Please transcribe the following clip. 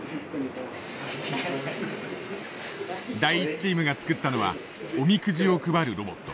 第１チームが作ったのはおみくじを配るロボット。